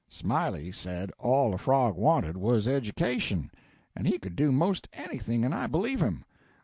Smiley said all a frog wanted was education, and he could do 'most anything and I believe him.